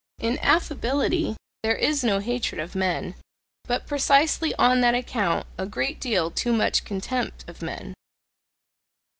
In affability there is no hatred of men, but precisely on that account a great deal too much contempt of men.